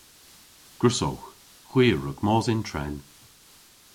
Gwrussowgh. Hwi a wrug mos yn tren.